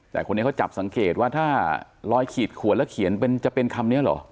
แต่คนนี้เขาจับสังเกตว่าถ้าลอยขีดขวนแล้วเขียนจะเป็นคำนี้เหรอ